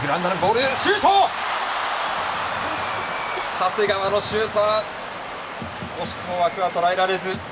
長谷川のシュート惜しくも枠はとらえられず。